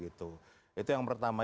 itu yang pertama